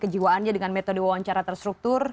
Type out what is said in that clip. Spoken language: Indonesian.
kejiwaannya dengan metode wawancara terstruktur